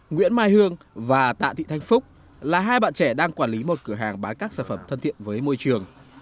nguyễn mai hương và tạ thị thanh phúc là hai bạn trẻ đang quản lý một cửa hàng bán các sản phẩm thân thiện với môi trường